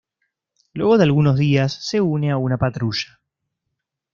Luego de algunos días se une a una patrulla.